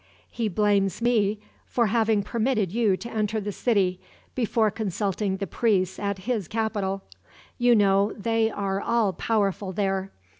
He blames me for having permitted you to enter the city before consulting the priests at his capital. You know they are all powerful there.